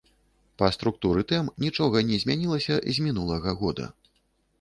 Па структуры тэм нічога не змянілася з мінулага года.